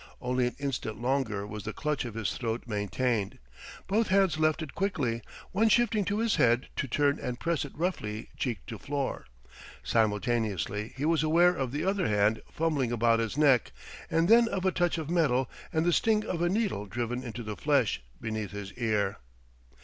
Only an instant longer was the clutch on his throat maintained. Both hands left it quickly, one shifting to his head to turn and press it roughly cheek to floor. Simultaneously he was aware of the other hand fumbling about his neck, and then of a touch of metal and the sting of a needle driven into the flesh beneath his ear.